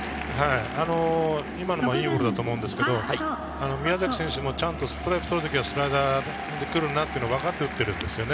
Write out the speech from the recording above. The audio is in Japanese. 今のはいいボールだと思いますけど、宮崎選手もちゃんとストライクを取る時はスライダーで来るなって分かって打ってるんですよね。